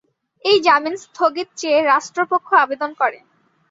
এই জামিন স্থগিত চেয়ে রাষ্ট্রপক্ষ আবেদন করে।